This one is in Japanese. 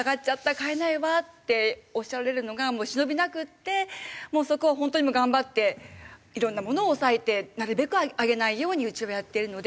買えないわ」っておっしゃられるのがもう忍びなくてもうそこはホントに頑張って色んなものを抑えてなるべく上げないようにうちはやってるので。